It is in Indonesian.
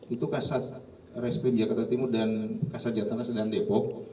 itu kasar rai skrim jakarta timur dan kasar jatah nas dan depok